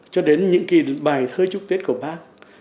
cho đến những bài thơ chúc tết của bác